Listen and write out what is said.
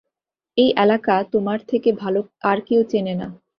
এই এলাকা তোমার থেকে ভাল আর কেউ চেনে না।